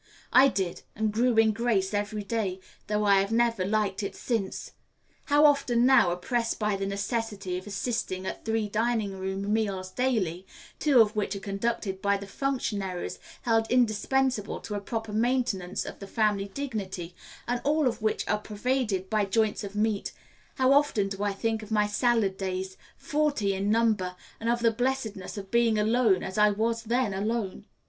I did, and grew in grace every day, though I have never liked it since. How often now, oppressed by the necessity of assisting at three dining room meals daily, two of which are conducted by the functionaries held indispensable to a proper maintenance of the family dignity, and all of which are pervaded by joints of meat, how often do I think of my salad days, forty in number, and of the blessedness of being alone as I was then alone!